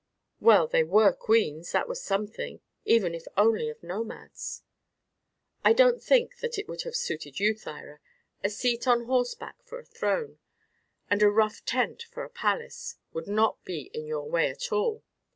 "Well, they were queens, that was something, even if only of nomads." "I don't think that it would have suited you, Thyra a seat on horseback for a throne, and a rough tent for a palace, would not be in your way at all.